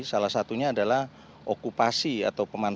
salah satunya adalah okupasi atau pemanfaatan